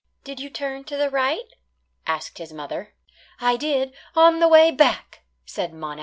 "Did you turn to the right?" asked his mother. "I did on the way back," said Monax.